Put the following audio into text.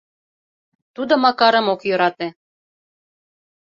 Тудо Макарым ок йӧрате.